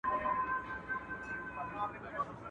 زړه زړه ته لار لري.